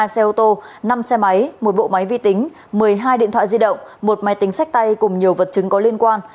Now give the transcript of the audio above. ba xe ô tô năm xe máy một bộ máy vi tính một mươi hai điện thoại di động một máy tính sách tay cùng nhiều vật chứng có liên quan